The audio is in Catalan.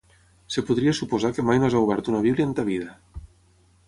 Es podria suposar que mai no has obert una Bíblia en ta vida.